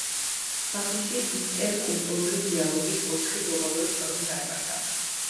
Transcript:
ბაქოში ინტერკულტურული დიალოგის ოთხი გლობალური ფორუმი გაიმართა.